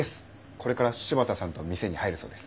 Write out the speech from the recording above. これから柴田さんと店に入るそうです。